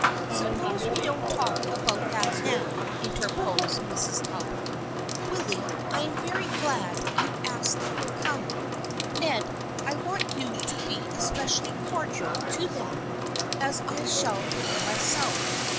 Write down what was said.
" Suppose we don't talk about that now," inter posed Mrs. Talbot. " Willy, I am very glad you THE FRIENDSHIP OF ANNE 201 asked them to come. Ned, I want you to be es pecially cordial to them, as I shall be myself.